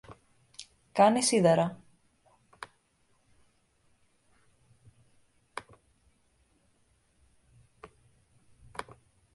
Κάνει σίδερα.